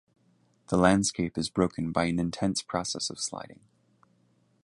The landscape is broken by an intense process of sliding.